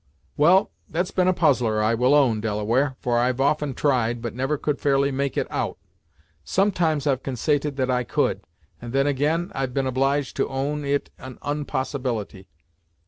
"Well, that's been a puzzler, I will own, Delaware, for I've often tried, but never could fairly make it out. Sometimes I've consaited that I could; and then ag'in, I've been obliged to own it an onpossibility.